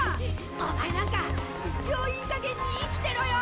お前なんか一生いい加減に生きてろよ。